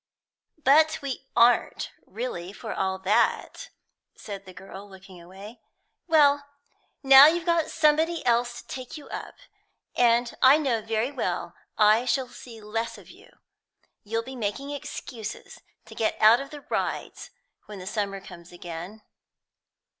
"But we aren't really, for all that," said the girl, looking away. "Well, now you've got somebody else to take you up, I know very well I shall see less of you. You'll be making excuses to get out of the rides when the summer comes again."